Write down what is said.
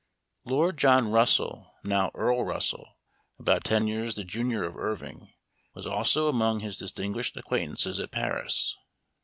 Lord John Russell, now Earl Russell,* about ten years the junior of Irving, was also among his distinguished acquaintances at Paris.